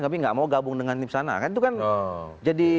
kami tidak mau gabung dengan tim sana